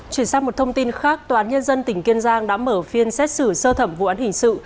chuyển sang một thông tin khác tòa án nhân dân tỉnh kiên giang đã mở phiên xét xử sơ thẩm vụ án hình sự